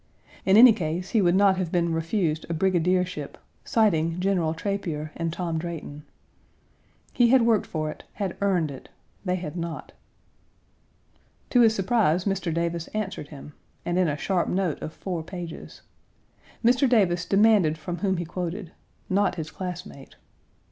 In any case he would not have been refused a brigadiership, citing General Trapier and Tom Drayton. He had worked for it, had earned it; they had not. To his surprise, Mr. Davis answered him, and in a sharp note of four pages. Mr. Davis demanded from whom he quoted, "not his classmate."